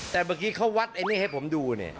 แต่เมื่อกี้เขาวัดอันนี้ให้ผมดู